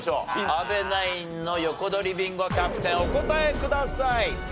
阿部ナインの横取りビンゴキャプテンお答えください。